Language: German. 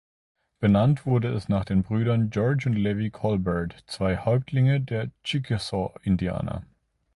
Benannt wurde es nach den Brüdern George und Levi Colbert, zwei Häuptlingen der Chickasaw-Indianer.